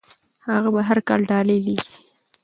هغه به هر کال ډالۍ لیږي.